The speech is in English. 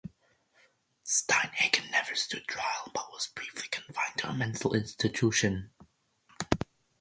Steinhagen never stood trial but instead was briefly confined to a mental institution.